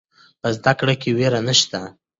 په زده کړه کې ویره نشته.